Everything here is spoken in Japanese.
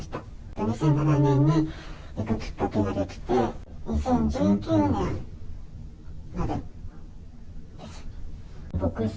２００７年にきっかけができて、２０１９年までです。